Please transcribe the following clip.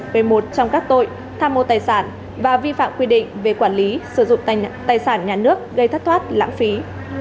về một trong các tội tham mô tài sản và vi phạm quy định về quản lý sử dụng tài sản nhà nước gây thất thoát lãng phí